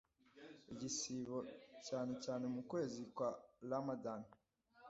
igisibo cyane cyane mu kwezi kose kwa ramaḍān